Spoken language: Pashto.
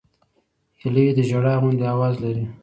هیلۍ د ژړا غوندې آواز لري